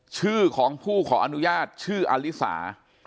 ชื่อของผู้ขออนุญาตชื่ออลิสา